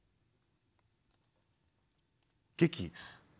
「劇」。